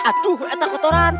aduh ada kotoran